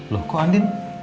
loh kok andin